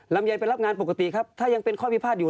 ลำไยไปรับงานปกติครับถ้ายังเป็นข้อพิพาทอยู่